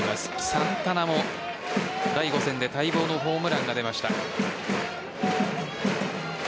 サンタナも第５戦で待望のホームランが出ました。